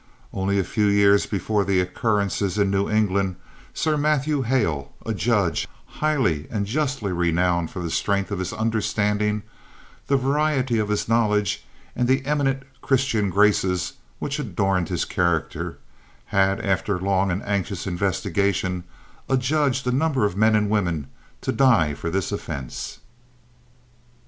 Only a few years before the occurrences in New England, Sir Matthew Hale, a judge highly and justly renowned for the strength of his understanding, the variety of his knowledge and the eminent Christian graces which adorned his character, had, after a long and anxious investigation, adjudged a number of men and women to die for this offence.